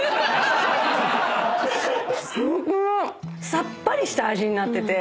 さっぱりした味になってて。